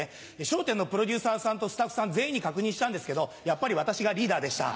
『笑点』のプロデューサーさんとスタッフさん全員に確認したんですけどやっぱり私がリーダーでした。